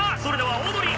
オードリー！